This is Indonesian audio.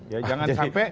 ya jangan sampai